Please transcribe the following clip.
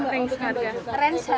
range harganya berapa